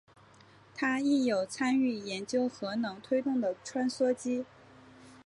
他亦有参与研究核能推动的穿梭机。